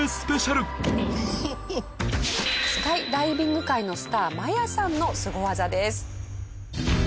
スカイダイビング界のスターマヤさんのスゴ技です。